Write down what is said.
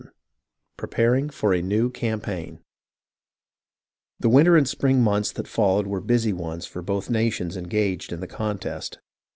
CHAPTER XVII PREPARING FOR A NEW CAMPAIGN The winter and spring months that followed were busy ones for both nations engaged in the contest.